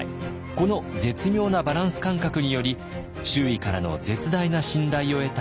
この絶妙なバランス感覚により周囲からの絶大な信頼を得た利勝。